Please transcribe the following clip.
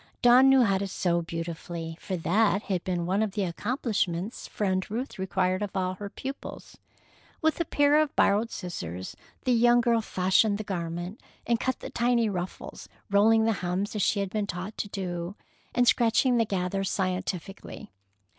Dawn knew how to sew beautifully, for that had been one of the accomplishments Friend Ruth required of all her pupils. With a pair of borrowed scissors, the young girl fashioned the garment, and cut the tiny ruffles, rolling the hems as she had been taught to do, and scratching the gathers scientifically.